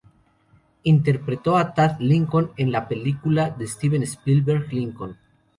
Interpretó a Tad Lincoln en la película de Steven Spielberg "Lincoln".